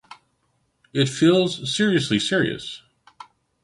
It feels seriously serious.